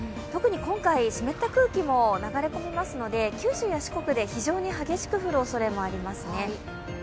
特に今回、湿った空気も流れ込みますので九州や四国で非常に激しく降るおそれがありますね。